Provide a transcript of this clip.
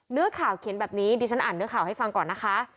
เนื้อข่าวเขียนแบบนี้ดิฉันอ่านเนื้อข่าวให้ฟังก่อนนะคะ